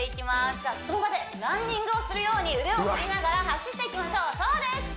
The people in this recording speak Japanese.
じゃあその場でランニングをするように腕を振りながら走っていきましょうそうです